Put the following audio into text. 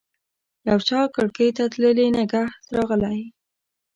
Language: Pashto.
د یوچا کړکۍ ته تللي نګهت راغلی